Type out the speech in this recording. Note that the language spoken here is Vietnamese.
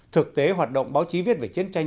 thực tế hoạt động báo chí viết về chiến tranh